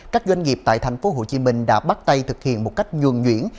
các doanh nghiệp tại tp hcm đã bắt tay thực hiện một cách nhuồn nhuyễn